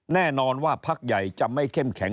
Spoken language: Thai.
แน่นอนว่าพักใหญ่จะไม่เข้มแข็ง